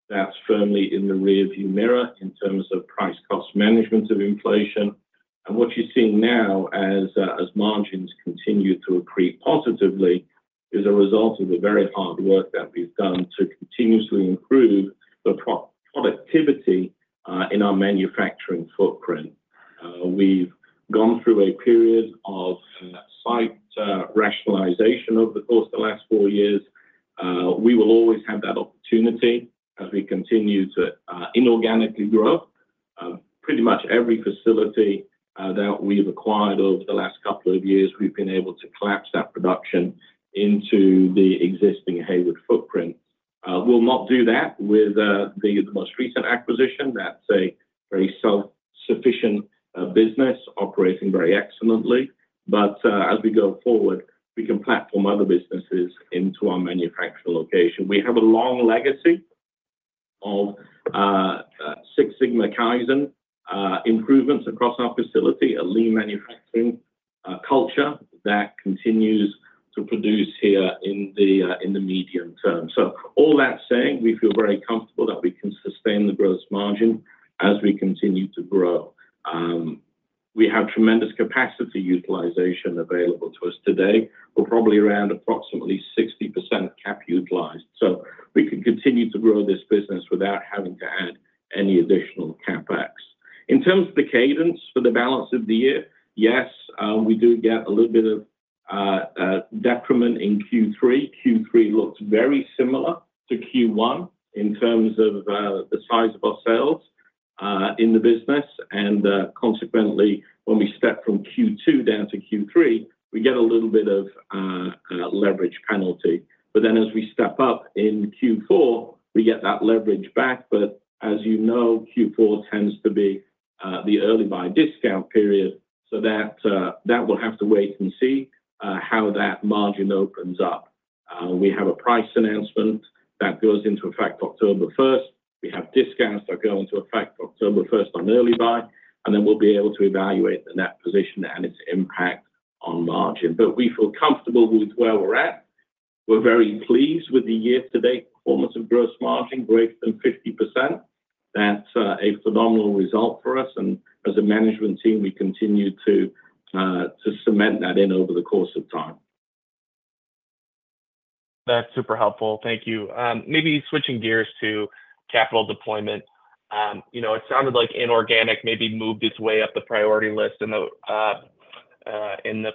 That's firmly in the rearview mirror in terms of price cost management of inflation. And what you're seeing now as, as margins continue to accrete positively, is a result of the very hard work that we've done to continuously improve the productivity in our manufacturing footprint. We've gone through a period of site rationalization over the course of the last four years. We will always have that opportunity as we continue to inorganically grow. Pretty much every facility that we've acquired over the last couple of years, we've been able to collapse that production into the existing Hayward footprint. We'll not do that with the, the most recent acquisition. That's a very self-sufficient business, operating very excellently. But as we go forward, we can platform other businesses into our manufacturing location. We have a long legacy of Six Sigma Kaizen improvements across our facility, a lean manufacturing culture that continues to produce here in the, in the medium term. So all that saying, we feel very comfortable that we can sustain the gross margin as we continue to grow. We have tremendous capacity utilization available to us today. We're probably around approximately 60% cap utilized, so we can continue to grow this business without having to add any additional CapEx. In terms of the cadence for the balance of the year, yes, we do get a little bit of decrement in Q3. Q3 looks very similar to Q1 in terms of the size of our sales in the business, and consequently, when we step from Q2 down to Q3, we get a little bit of leverage penalty. But then as we step up in Q4, we get that leverage back. But as you know, Q4 tends to be the early buy discount period, so that that will have to wait and see how that margin opens up. We have a price announcement that goes into effect October first. We have discounts that go into effect October first on early buy, and then we'll be able to evaluate the net position and its impact on margin. But we feel comfortable with where we're at. We're very pleased with the year-to-date performance of gross margin, greater than 50%. That's a phenomenal result for us, and as a management team, we continue to to cement that in over the course of time. That's super helpful. Thank you. Maybe switching gears to capital deployment. You know, it sounded like inorganic maybe moved its way up the priority list in the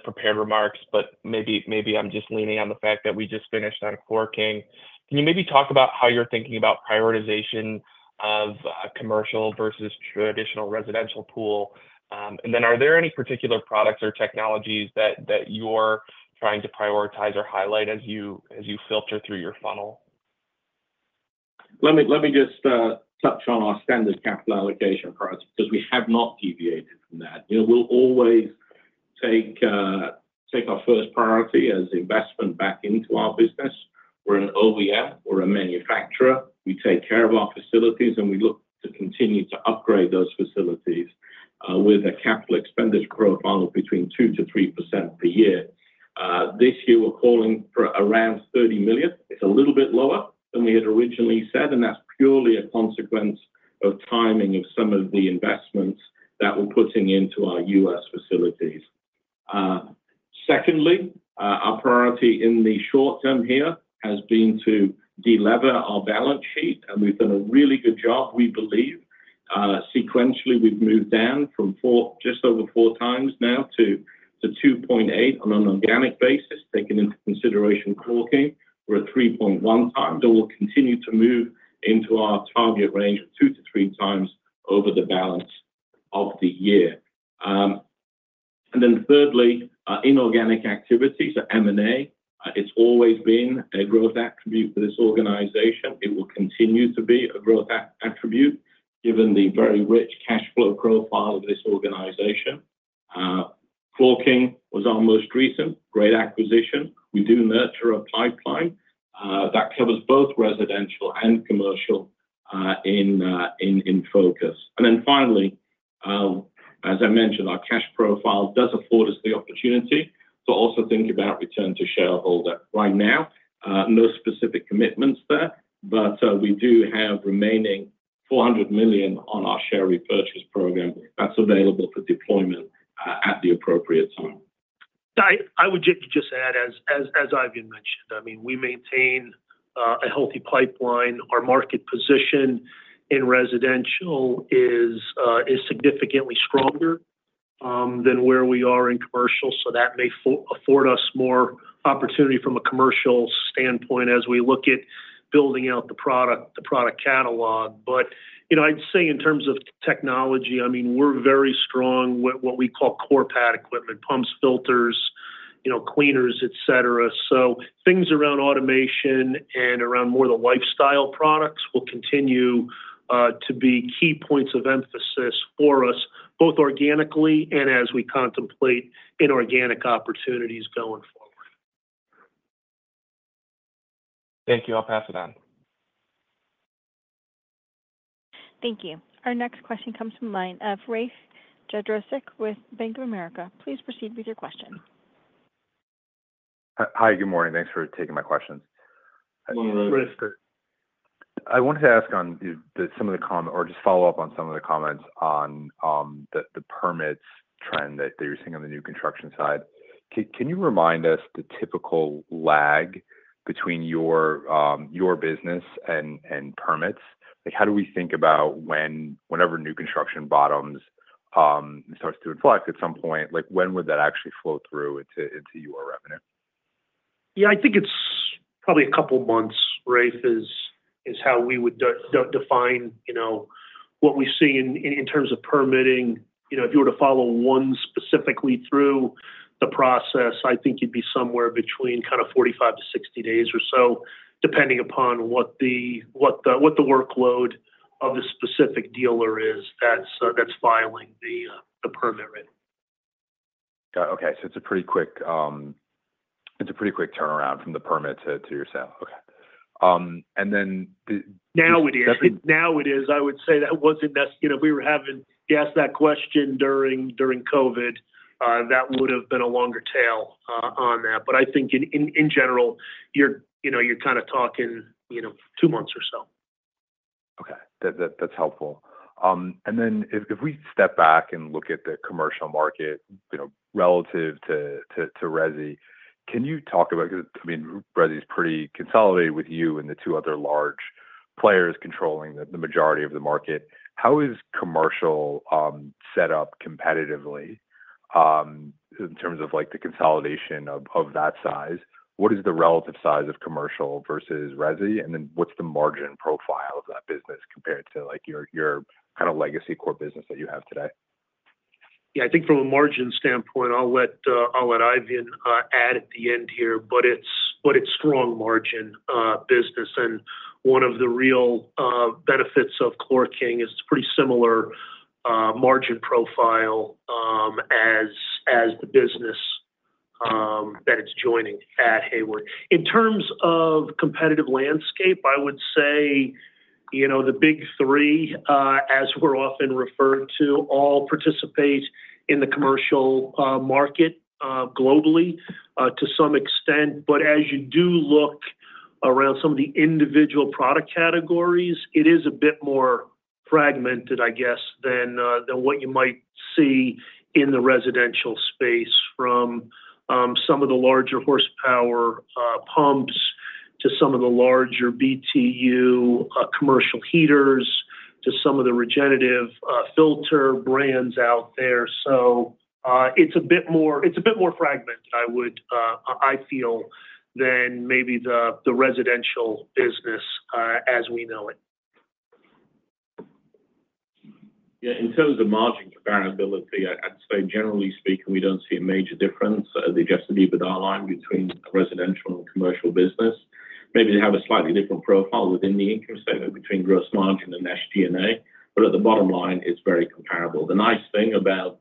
prepared remarks, but maybe, maybe I'm just leaning on the fact that we just finished on ChlorKing. Can you maybe talk about how you're thinking about prioritization of commercial versus traditional residential pool? And then are there any particular products or technologies that, that you're trying to prioritize or highlight as you, as you filter through your funnel? Let me, let me just touch on our standard capital allocation for us, because we have not deviated from that. You know, we'll always take take our first priority as investment back into our business. We're an OEM, we're a manufacturer. We take care of our facilities, and we look to continue to upgrade those facilities with a capital expenditure growth funnel between 2%-3% per year. This year, we're calling for around $30 million. It's a little bit lower than we had originally said, and that's purely a consequence of timing of some of the investments that we're putting into our U.S. facilities. Secondly, our priority in the short term here has been to delever our balance sheet, and we've done a really good job, we believe. Sequentially, we've moved down from 4, just over 4 times now to to 2.8 on an organic basis. Taking into consideration ChlorKing, we're at 3.1 times, and we'll continue to move into our target range of 2-3 times over the balance of the year. And then thirdly, our inorganic activities, so M&A, it's always been a growth attribute for this organization. It will continue to be a growth attribute, given the very rich cash flow profile of this organization. ChlorKing was our most recent great acquisition. We do nurture a pipeline that covers both residential and commercial in in focus. And then finally, as I mentioned, our cash profile does afford us the opportunity to also think about return to shareholder. Right now, no specific commitments there, but we do have remaining $400 million on our share repurchase program that's available for deployment at the appropriate time. I would just add, as Eifion mentioned, I mean, we maintain a healthy pipeline. Our market position in residential is significantly stronger than where we are in commercial, so that may afford us more opportunity from a commercial standpoint as we look at building out the product, the product catalog. But, you know, I'd say in terms of technology, I mean, we're very strong with what we call core pad equipment, pumps, filters, you know, cleaners, et cetera. So things around automation and around more the lifestyle products will continue to be key points of emphasis for us, both organically and as we contemplate inorganic opportunities going forward. Thank you. I'll pass it on. Thank you. Our next question comes from the line of Rafe Jadrosich with Bank of America. Please proceed with your question. Hi. Good morning. Thanks for taking my questions. Good. Great. I wanted to ask on the some of the comment or just follow up on some of the comments on the permits trend that you're seeing on the new construction side. Can you remind us the typical lag between your, your business and permits? Like, how do we think about when--whenever new construction bottoms and starts to inflect at some point, like, when would that actually flow through into your revenue? Yeah, I think it's probably a couple of months, Rafe, is how we would define, you know, what we see in terms of permitting. You know, if you were to follow one specifically through the process, I think you'd be somewhere between kind of 45-60 days or so, depending upon what the, what the workload of the specific dealer is that's that's filing the permit rate. Got it. Okay, so it's a pretty quick, it's pretty quick turnaround from the permit to your sale. Okay. And then the- Now it is. I would say that wasn't as, you know, we were having to ask that question during during COVID, that would have been a longer tail on that. But I think in general, you're, you know, you're kind of talking, you know, two months or so. Okay. That, that, that's helpful. And then if, if we step back and look at the commercial market, you know, relative to, to, to resi, can you talk about, I mean, resi is pretty consolidated with you and the two other large players controlling the, the majority of the market. How is commercial set up competitively, in terms of, like, the consolidation of, of that size? What is the relative size of commercial versus resi, and then what's the margin profile of that business compared to, like, your, your kind of legacy core business that you have today? Yeah, I think from a margin standpoint, I'll let Eifion add at the end here, but it's, but it's strong margin business. And one of the real benefits of ChlorKing is pretty similar margin profile as as the business that it's joining at Hayward. In terms of competitive landscape, I would say, you know, the big three, as we're often referred to, all participate in the commercial market globally to some extent. But as you do look around some of the individual product categories, it is a bit more fragmented, I guess, than than what you might see in the residential space, from some of the larger horsepower pumps, to some of the larger BTU commercial heaters, to some of the regenerative filter brands out there. So, it's a bit more, it's a bit more fragmented, I would feel, than maybe the the residential business, as we know it. Yeah, in terms of margin comparability, I'd say generally speaking, we don't see a major difference at the EBITDA line between the residential and commercial business. Maybe they have a slightly different profile within the income statement between gross margin and SG&A, but at the bottom line, it's very comparable. The nice thing about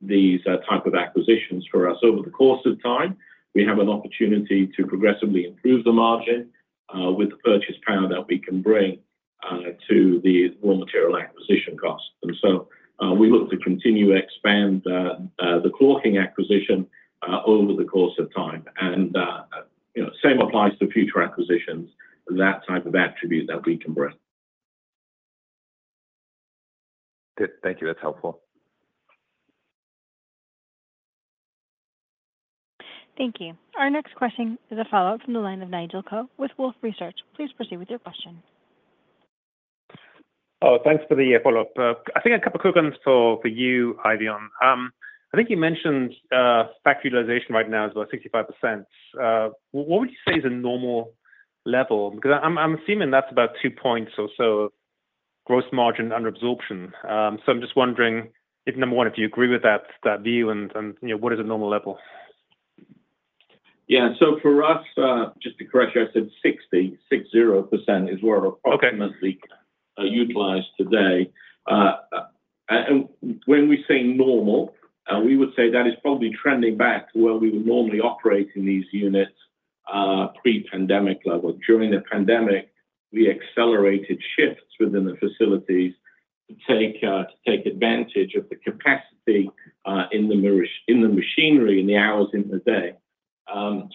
these type of acquisitions for us over the course of time, we have an opportunity to progressively improve the margin with the purchase power that we can bring to the raw material acquisition costs. And so, we look to continue to expand the ChlorKing acquisition over the course of time. And, you know, same applies to future acquisitions, that type of attribute that we can bring. Good. Thank you. That's helpful. Thank you. Our next question is a follow-up from the line of Nigel Coe with Wolfe Research. Please proceed with your question. Oh, thanks for the follow-up. I think a couple quick ones for, for you, Eifion. I think you mentioned, factory utilization right now is about 65%. What would you say is a normal level? Because I'm, I'm assuming that's about two points or so, gross margin under absorption. So I'm just wondering if, number one, if you agree with that, that view and, and, you know, what is a normal level? Yeah. So for us, just to correct you, I said 60% is where we're- Okay... approximately utilized today. And when we say normal, we would say that is probably trending back to where we would normally operate in these units, pre-pandemic level. During the pandemic, we accelerated shifts within the facilities to take, to take advantage of the capacity in the machinery, in the hours in the day.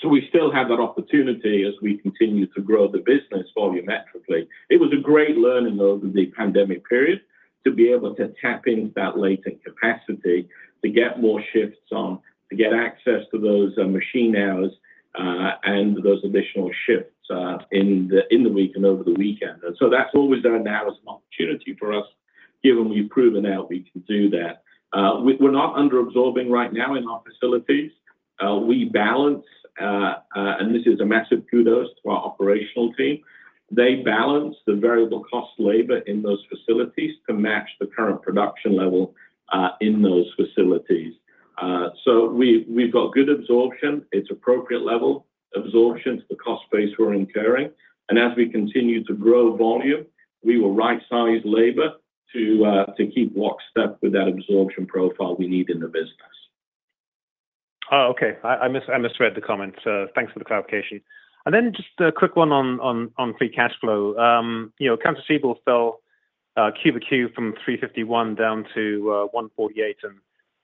So we still have that opportunity as we continue to grow the business volumetrically. It was a great learning over the pandemic period, to be able to tap into that latent capacity, to get more shifts on, to get access to those machine hours, and those additional shifts in the, in the week and over the weekend. And so that's always there now as an opportunity for us, given we've proven out we can do that. We're not under absorbing right now in our facilities. We balance, and this is a massive kudos to our operational team. They balance the variable cost labor in those facilities to match the current production level in those facilities. So we've, we've got good absorption. It's appropriate level absorption to the cost base we're incurring. And as we continue to grow volume, we will right-size labor to keep lockstep with that absorption profile we need in the business. Oh, okay. I misread the comment, so thanks for the clarification. And then just a quick one on free cash flow. You know, accounts receivable fell quarter-over-quarter from $351 million down to $148 million, and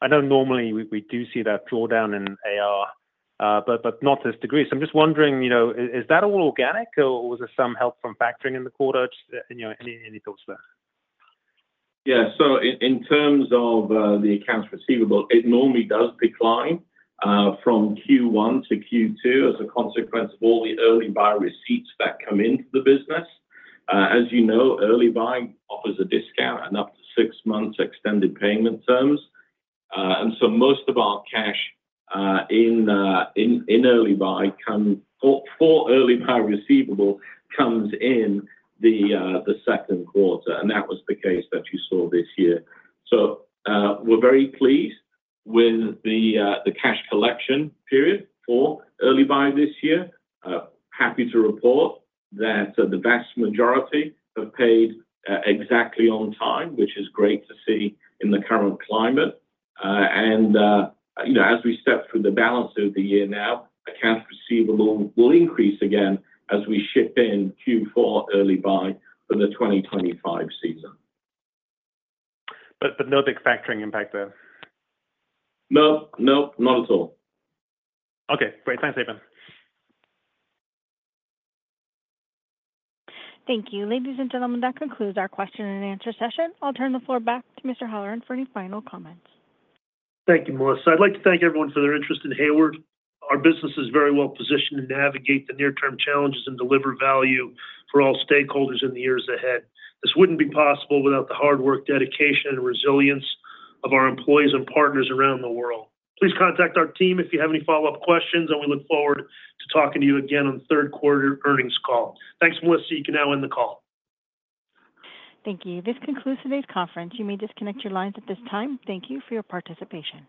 I know normally we do see that draw down in AR, but not to this degree. So I'm just wondering, you know, is that all organic or was there some help from factoring in the quarter? Just, you know, any thoughts there? Yeah. So in terms of the accounts receivable, it normally does decline from Q1 to Q2 as a consequence of all the early buy receipts that come into the business. As you know, early buy offers a discount and up to six months extended payment terms. And so most of our cash in in in early buy for early buy receivable comes in the second quarter, and that was the case that you saw this year. So we're very pleased with the cash collection period for early buy this year. Happy to report that the vast majority have paid exactly on time, which is great to see in the current climate. And as we step through the balance of the year now, accounts receivable will increase again as we ship in Q4 early buy for the 2025 season. But no big factoring impact there? No, no, not at all. Okay, great. Thanks, Eifion. Thank you. Ladies and gentlemen, that concludes our Q&A session. I'll turn the floor back to Mr. Holleran for any final comments. Thank you, Melissa. I'd like to thank everyone for their interest in Hayward. Our business is very well positioned to navigate the near-term challenges and deliver value for all stakeholders in the years ahead. This wouldn't be possible without the hard work, dedication, and resilience of our employees and partners around the world. Please contact our team if you have any follow-up questions, and we look forward to talking to you again on the third quarter earnings call. Thanks, Melissa. You can now end the call. Thank you. This concludes today's conference. You may disconnect your lines at this time. Thank you for your participation.